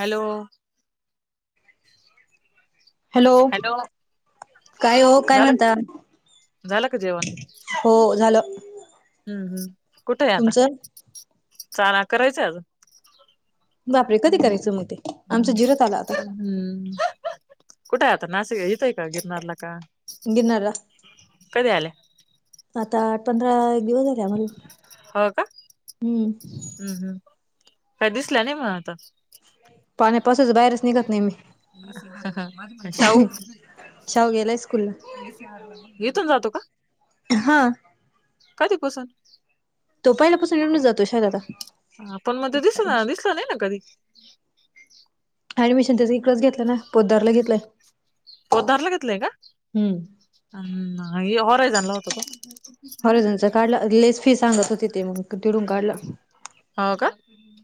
Hello. Hello. काय ओ काय झालं म्हणता? झालं का जेवण हो झालं. हम्म. हम्. म कुठे आता. तुमचं चाला करायचं आजून - - बापरे! कधी करायचं म ते आमच हम्म जिरत आला आता. हम्म. कुठे आता? नाशिक येतय का गिरनारला का? गिरनारला. कधी आल्या आता पंधरा एक दिवस झा [unintelligible] हम्म. हम्. हम्. काय दिसलं नाही मग आताचं. पाण्यापावसाच बाहेरच निघत नाही मी. ह ह साऊ. शाव गेलाय स्कूलला इथचं राहतो का? ह. कधीपसून? तो पहिल्या पाासून निवून जातो पण मग ते [unintelligible] [unintelligible] ना कधी ऍडमिशन त्याचं इकडच घेतलं ना. पोदारला घेतलंय. पोदारला घेतलंय का? हम्म. हम् होरय जाला होत तो. हऑरेझनचा काढल. लईच फी सांगत होती ते मग तिथुन काढल. हो का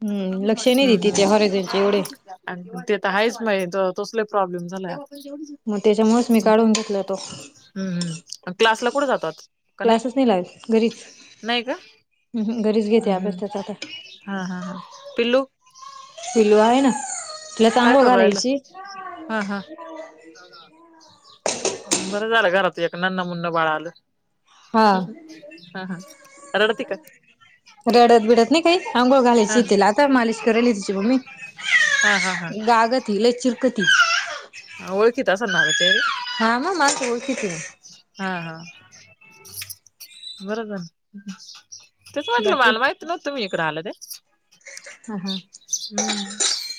हम्म. लक्ष नाही देति हऑरेझिनचे एवढे. आणि ते तर आहेच माहित तोच लई प्रॉब्लेम झालाय. हम्म मग त्याच्यामुळेच मी काढून घेतला तो. हम्म. हम्म. क्लासला कुठे जातो आता? का नाई, क्लासच नाही लावेल घरीच नाही का? हम्म घरीच घेते हम्म. अभ्यास हम्म. त्याचा आता हा. हा, हा. पिल्लू - - पिल्लु आहे ना. तिलाच काय आंघोळ करू राहिलं घालायची. हा हा बरं झालं. घरात एक नन्हं मुनं बाळ आलं. हा हम् हम्म हा. हा. रडती का? रडत बिडत नाही काही. अंघोळ हा घालायची तिला आता मालिश करायली तिची मम्मी. हा हा हा गाग तला चिरकती कणारचेर हा मग माणसं ओळखीची हा हा बरोबर तेस म्हटलं बाकी वाल माहित नव्हत मी इकडं आलं ते हम्म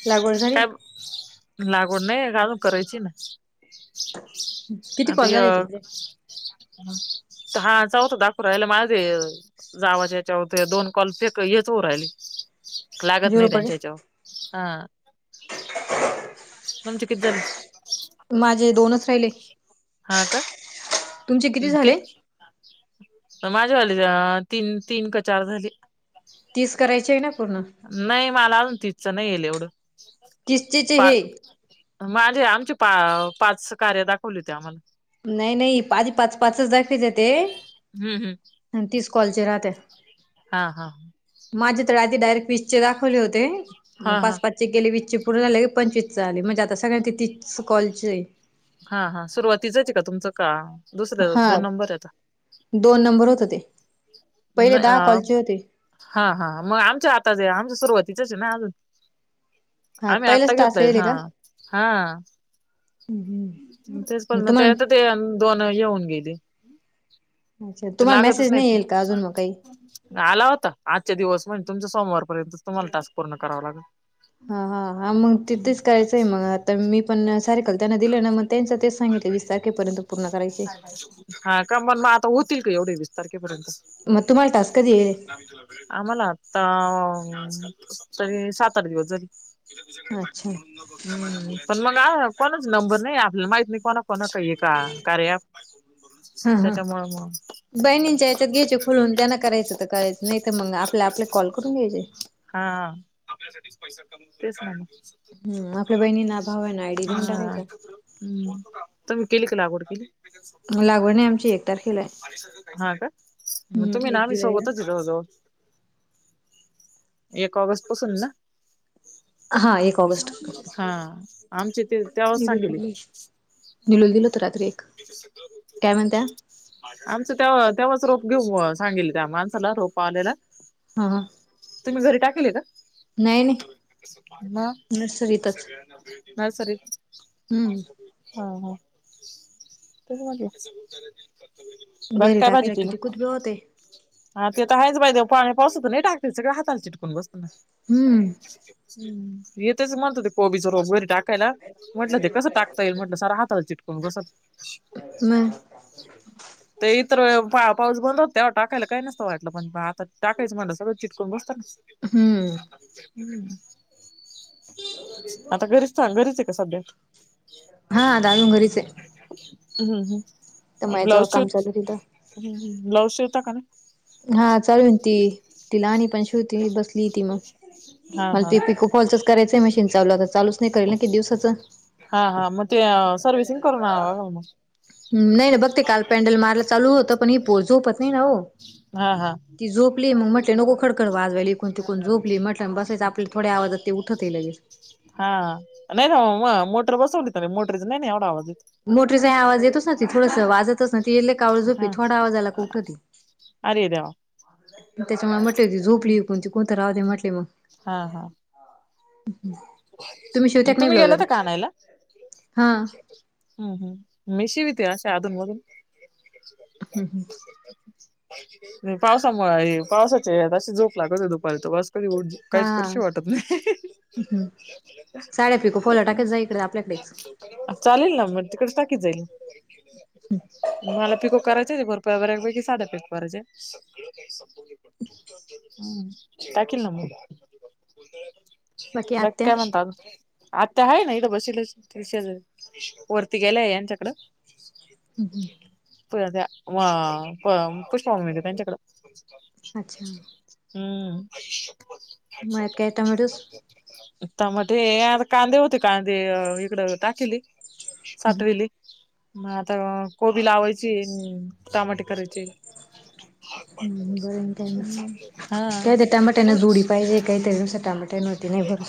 लागर झारी लागड नाही घलून करायची ना किती आता कॉल य झाले तुमचे हा चौत दाखो राहिला माझे जावाच्याच्याथ दोन कॉल फेक हेच हो राहिली लागत झिरो नाही पडले त्यांच्याच्या हा आमचे कती झाले माझे दोनच राहिले हा का तुमचे किती झाले किती माझ्यावाली तीन तीन का चार झाली तीस करायची आहे ना पूर्ण नाही मला अजून तिचं नाही येईल एवढं किस्तीचे पा हे माझे आमचे पा पाच कार्य दाखवली होती आम्हाला नाही नाही आधी पाच पाचच दाखयच ते हम्म हम्म आणि तीच कॉलचे राहते हा हा माझ्या तड आी डायरेक्ट विीज चे दाखवले हा होतेग हा पाच पाच गेले वीसचे पूर्ण झाले पंचवीसचा झाले म्हणजे आता सगळना तिथच कॉलेज आहे हा हा सुरुवातीचच का तुमचं का दुसर्या हा दोन नंबर आहेता दोन नंबर होत ते पहिले दहा अ कॉलचे होते हा हा मग आमच्या आताच आमच्या सुरुवातीचच आहे ना अजून हा आम्ही आत्ता पहिलेच टास्क घेतलंय येईल हा का हा तेच पण म तुम्हाला त्यात ते दोन येऊन गेले अच्छा तर तुम्हाला लागतच मेसेज नाही येईल का नाहीत अजून मग काही ना आला होता आजच्या दिवस म्हणजे तुमच सोमवारपर्यंत तुम्हाला तासक पूर्ण करावा लागेल हा हा हा मग तिथेच करायचंय मग आता मी पण सारेखल त्यांना दिले ना मग त्यांचं तेच सांगितलं वीस तारखेपर्यंत पूर्ण करायचे हा का मन मग आता होतील का एवढे वीस तारखेपर्यंत म तुमला टाास कधी येे आम्हाला आता तरी सात आठ दिवस जरी अच्छा पण मग कोणाच नंबर नाही आपल्याला माहित नाही कोणा कोणा का का कार हा हा त्याच्यामुळे बहिणींच्या या्याच्यात घ्यायचे खुलून त्यांना करायचं तर करायचं नाही तर मग आपल्या आपल्या कॉल करून घ्यायचे हा आपवच नाही हम आपल्या बहिणी ना भावना आयडी देऊन हा टाकायचा हम्म त मी केली काला लागवड केली लागवड नाही आमची एक तारखेला आहे हा का म हम्म तुम्ही एक नाम जुलैला. सोबतच ज जवळ एक ऑगस्ट पासून ना हा एक ऑगस्ट हा आमचे ते त्यास सांगेली निलून दिलत रात्री एक काय म्हणत्या आमचं ते तेव्हाच रोप घेऊ सांगेल त्या माणसाला रोप आलेला हा हा तुम्ही घरी टाकल नाही नाही नर्सरीतच न सर हम्म हा हा बघ घरी काय टाकायला भाजीतील किती कुतबे होते हा ते तर आहेच बाय देव पाणी पासत नाही टाकते सगळ हाताला चिटकून बसतना हम्म ह येतच म्हणतो ते कोबी ज वगैरे टाकायला म्हट ते कसं टाकता येईल म्हट सर हहात चिटक बसात मग हम् ते इतर पाऊस बंद होतते टाकायला काही नसतं वाटलं पण आता टाकायचं म्हटलं सगळं चिटकून बसत ना. हम्म आता घरीच सां गरीच आहे का सध्या? हा अ दादून घरीचे ह्म ह्म मायचं ब्लाऊज श काम चालू तिथं ब्लाउज शवता का? हा चालून ती तिला आणि पण शिवती बसली ती मग हा मला हा ते पिकूपफॉलच करायचय मशीन चालू तर चालच नाही करल ना कि दिवसाचं हा हा मग ते सर्वसिंग करून हवा मग नाही बघ ते काल पॅ्डल मारय चालू होतं पण ही पो झोपत नाही ना हो. हा हा ती झोपली मग म्हटले नको खडकड वाजवाय ल इून तिकून झोपली म्हटलं बसासेच आपल्या थोड्या आवाजात ते उठत केलेलं हा नाही ना मोटर बसवली त मोटरीच नाही नाही एवढा आवाज येत. मोठटेचाही आवाज येतच ना त थडसं वाजतच ना त येेले कावळ झोप हा थडा आज आला का उठती. अरे देवा! त्याच्यामुळे म्हटले होती झोपली ईकुन तीकुन तर राहुतदे म्हटले मग हा हा शिवत्या का नाही तुम्ही ब्लाऊज गेला आता? होत्या का आनायला? हा हम्म हम्म मी शीवीते असे अधून मधून हम्म हम्म पावसामुळे आहे पावसाचे आहेत अशी झोप लागत आहे दुपारी त बस कधी ओढ काहीच करूशी वाटत नाही. हम्म साड्या पिकू फोलो नाही टाकत जा इकडे आपल्याकडेच. चालेल ना मग तिकडे टाकीत जाईल. मला पिको करायचे भरपु बऱ्यापैकी साड्या पिको करायचे हम्म टाकील ना मग बाकी आत्या? आत्ता आहे ना इदे बसेलचे शेजारी वरती गेलाय यांच्याकडं पु त्या पुष्पे त्यांच्याकडें अच्छा हम्म मळ्यात काय टोमॅटोस? टमाटे ये आता कांदे होते कांदे इकड टाकेल ये साठवेल ये मग आता कोबी लावायची टमाटे करायचे. हम बरंन काय हम्म हा मग ते टामाट्याना तुम जोडी पाहिजे काहीतरी नुसतं टामाट्यान ते नही बर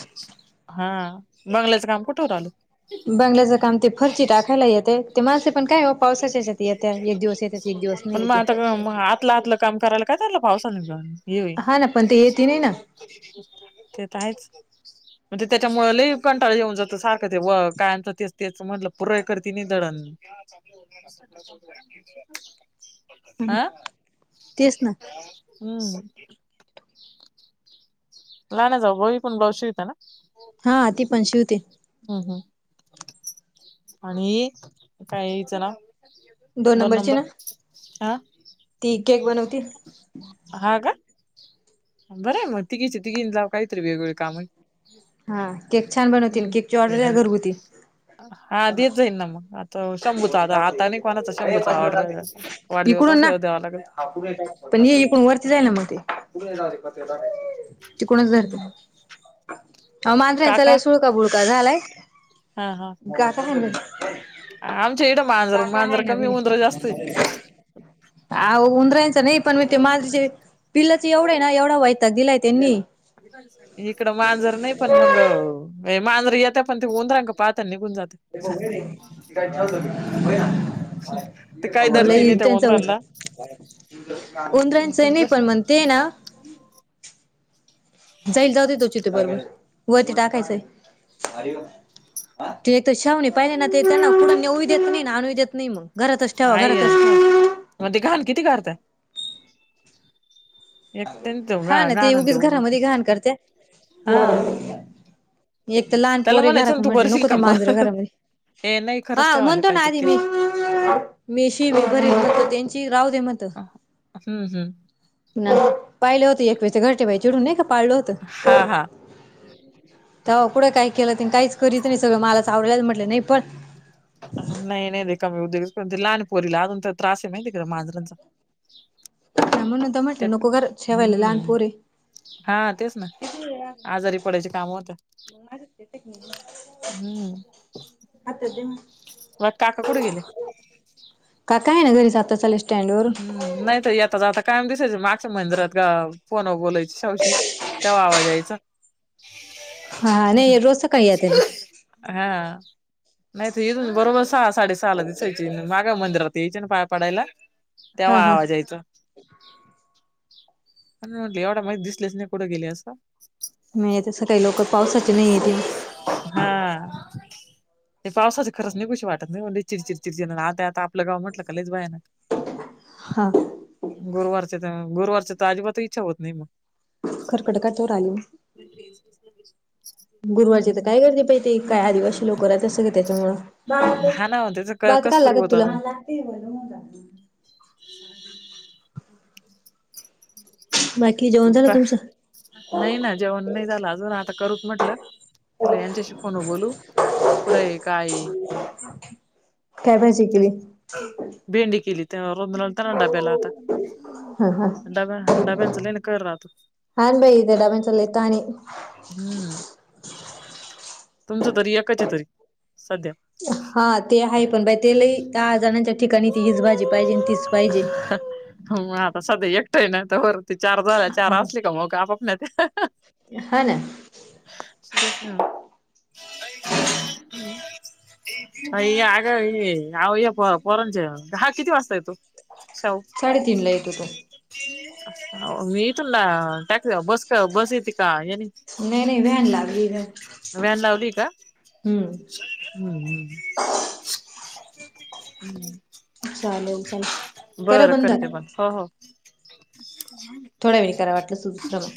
हा बंगल्याचं काम कुठवर आल? बंगल्याचं काम ते फरची टाकायला येते ते माणसे पण काय पावसाच्याच येत्या एक दिवस येते एक दिवस नाही पण म आता हम्म आत आपलं आपलं काम करायला काय जलं पावसा निघ जाऊन हा ना पण ते येती नाही ना. ते त आहेच म्हणजे त्याच्यामुळे लई कंटाळ येऊन जातो सारखं ते व कायमच तेच तेच म्हटलं पुरय करती न दळण [inaudible] ना आ तेच ना हम्म लहाण्या जाऊबाई पण ब्लाऊज शिवीत्या ना. हा ती पण शिवते. हम् हम् आणि काय ईचं नाव दोन नंबरची ना हा ती केक बनवती हा का? बरं मग तिघीचे तिघीन जाव काहीतरी वेगवेगळे काम हा केक छान बनवती न हम्म. केक ची ऑर्डर द्या घरघुती हा देत जाईन ना मग, तो शंभूचा आता आता नाही कोणाचा शंभूचा ऑर्डर वाढदिवस इकडून ना असलेवर देवा लागल. पण ये इकूण वरती जायल ना मग ते तिकुणच हम्म काका कबुलका झालाय. हा हा गाथा मानलं हं आमच्या इडं मांजरं मांजरं ना कमी उंदर जास्त आहे. आवो उदरायचं नाही पण म ते मांजरीचे पिल्लच एवढे ना एवढा वयताग दिलाय त्यांनी इकडं मांजर नाही पण मग ये मांजरे येत पण ते उंदराकडे पाहात्या निघून जात्या. ते ब र त गा चालत ते उ काही [inaudible] धरती नाही म त्या त्यांच उंदरांना उंदरांच नाही पण म्हण ते ना. जाईल जाऊ देतो चीथ बरोबर वरती टाकायचंय. तू एक तर शावणी पाहिले ना ते ना कून नऊ देत नाही ना आणू देत नाही मग. घरातच ठेवा आई घरातच आहे ठेवा. मग ते घाण किती करताय. एक हा ना ते घाण उगीच घरामध्ये घाण करते. हा ी एक तर लहान त्याला पोरे म्हणायचं घरात ना तू म्हटले भरशील नको का ते मग मांजर घरामध्ये हे नाही हा खरंच ठेवायला म्हणंतो ना पाहिजे आधी मी. केस मेशी मी भरी त्यांची राहू दे मत. हम्म हम्म. ना पाहिलं होत एक वस घरटे बाई चिडून नाही का पाळलं होत. हा हा त्या कुठं काही केलं काहीच करीत नाही सगळं मला सा आवडल्याच म्हटले नाही पण. ह नाही नाही रीकामे उद्योगच पन लहान पोरीला अजून त्रास आहे माहिती का मांजरांचा म्हणून तर म्हटले त्या नको घरात ठेवायला लहान हम्म पोर ये. हा तेच ना आजारी पडायचे काम होत्या. हम्म [inaudible] मग काका कुठे गेले? काका आहे ना घरी आता चाले हम्! नाही तर याता जाता कायम दिसायच मागच्या मंदिरात गं फोनवर बोलायच. शवशी तेव्हा आवाज यायचा. हा नाही रोज सकाळी येते ना. हा. नाहीतथून बरोबर सहा साडे सहा ला दिसायची मागा मंदिरात यायची ना पाय पडायला. हा तेव्हा हा आवाज यायचा. प म्हटले एवढा मा दिसलेच नाही कुठं गेले असं. म तर सकाळी काही लोक पावसाच नाही ते. हा ते पावसाच खरंच नाही कुशी वाटत नाही म्हली. चिडचिड चिडचिड आता आता आपलं गाव म्हटलं लईच भयानक. हा. गुरुवारच्या गुरुवारच्या तर अजिबात इच्छा होत नाही मग. खडखडकतवर आली. [inaudible] गुरुवारचे तर हम्म. काय करते पाहि ते काय आदिवासी लोक राहत असं का त्याच्यामुळं. भात हा ना त्याच भात कस काला तरी लागतो होत तुला? अजून माला लागते बर [inaudible] बाकी जेवण झालं तुमचं? नाही ना, जेवण नाही झालं अजून आता करूचं म्हटलं. म्हणलं यांच्याशी फोनवर बोलू कुड ये काय काय भाजी केली तेच--भेंडी केली तर दना. [unintelligible] त्यांना डब्याला आता, हा हा डबा डाब्यांचा लई ना कहर राहतो. हान बाई ते डब्यांचा लइ ताण आणि हम्म. तुमचं तरी एकच तरी सध्या. हा ते आहे, पण बाई ते लई दहा जणांच्या ठिकाणी, ती हीच भाजी पाहिजे, तीच पाहिजे. हो मग आता सध्या एकटं ना तोवर त चार झाल्या चार हा असले का मग आपोप नेता. हा ना तेच ना. अ आग ये आओ या पोरांचं, हा किती वाजता येतो? शाहू? साडेतीन ला येतो तो. मी इथून ना टॅक्स बस का बस येते का यान? नाही नाही व्हॅन लागली व्हॅन व्हॅन लावली का? हम्म हम्म हम्. हम्म, चालेल चालेल करा बर करते बंद हो हो. थोड्या वेळाने करा वाटलंस तर दुसरं